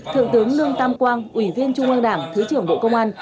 thượng tướng lương tam quang ủy viên trung ương đảng thứ trưởng bộ công an